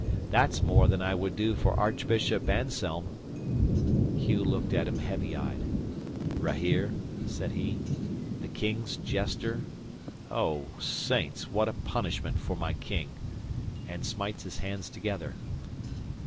That's more than I would do for Archbishop Anselm." 'Hugh looked at him heavy eyed. "Rahere?" said he. "The King's jester? Oh, Saints, what punishment for my King!" and smites his hands together.